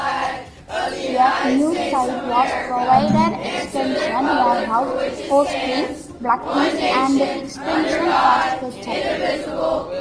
A new site was provided, Extension Warehouse, hosting plugins and extensions for Sketchup.